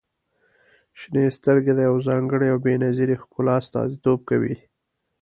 • شنې سترګې د يوې ځانګړې او بې نظیرې ښکلا استازیتوب کوي.